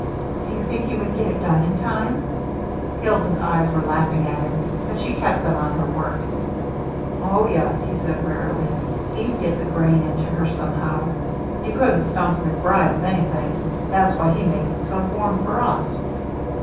"Do you think he would get it done in time?" Hilda's eyes were laughing at him, but she kept them on her work. "Oh, yes," he said wearily. "He'd get the grain into her somehow. You couldn't stump MacBride with anything. That's why he makes it so warm for us."